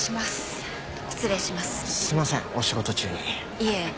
いえ